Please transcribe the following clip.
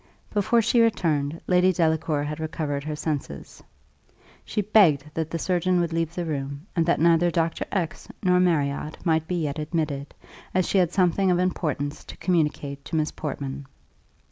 Before she returned, Lady Delacour had recovered her senses. She begged that the surgeon would leave the room, and that neither Dr. X nor Marriott might be yet admitted, as she had something of importance to communicate to Miss Portman.